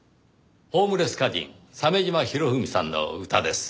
ホームレス歌人鮫島博文さんの歌です。